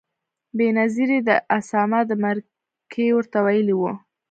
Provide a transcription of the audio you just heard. بېنظیرې د اسامه د مرکې ورته ویلي و.